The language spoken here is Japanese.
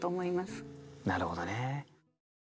なるほどね。